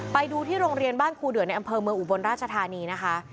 ไปดูที่โรงเรียนบ้านครูเดือในอำเภอเมืองอุบลราชธานีนะคะ